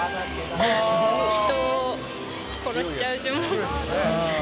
人を殺しちゃう呪文。